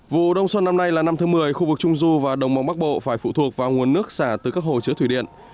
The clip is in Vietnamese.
vụ đông xuân năm nay là năm thứ một mươi khu vực trung du và đồng bằng bắc bộ phải phụ thuộc vào nguồn nước xả từ các hồ chứa thủy điện